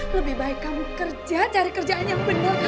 lebih baik kamu kerja cari kerjaan yang benar